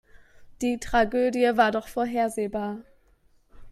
Die Tragödie war doch vorhersehbar.